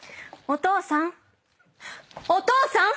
お父さん⁉お父さん！